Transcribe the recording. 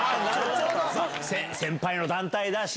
先輩の団体だし。